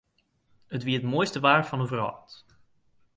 It wie it moaiste waar fan de wrâld.